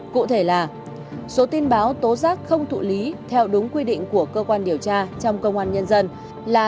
cụ thể là số tin báo tố giác không thụ lý theo đúng quy định của cơ quan điều tra trong công an nhân dân là tám mươi hai